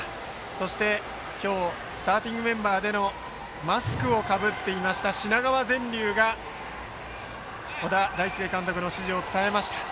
そして、今日スターティングメンバーでのマスクをかぶっていました品川善琉が小田大介監督の指示を伝えました。